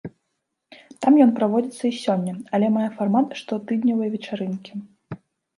Там ён праводзіцца і сёння, але мае фармат штотыднёвай вечарынкі.